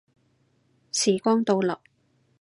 時光倒流